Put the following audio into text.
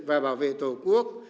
và bảo vệ tổ quốc